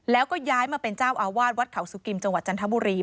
แล้วก็ย้ายมาเป็นเจ้าอาวาสวัดเขาสุกิมจังหวัดจันทบุรี